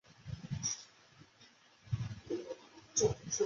这使得能从其中获得第谷坑的岩样而无需实地勘查该陨坑。